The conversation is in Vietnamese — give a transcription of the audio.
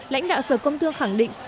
lãnh đạo sở công thương khẳng định